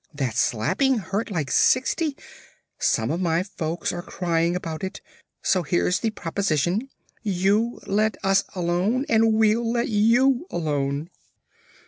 That slapping hurts like sixty; some of my folks are crying about it. So here's the proposition: you let us alone and we'll let you alone."